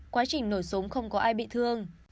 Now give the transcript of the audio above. quá trình nổ súng không có ai bị thương